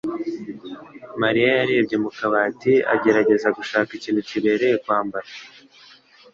Mariya yarebye mu kabati agerageza gushaka ikintu kibereye kwambara.